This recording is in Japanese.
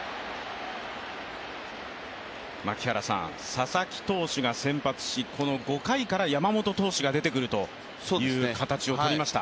佐々木投手が先発し、この５回から山本投手が出てくるという形をとりました。